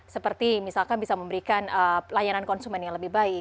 seperti misalkan bisa memberikan layanan konsumen yang lebih baik